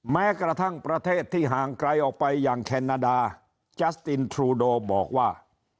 แม้กระทั่งประเทศที่ห่างไกลออกไปอย่างแคนาดาจัสตินทรูโดบอกว่า